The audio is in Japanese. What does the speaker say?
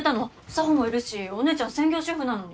佐帆もいるしお姉ちゃん専業主婦なのに。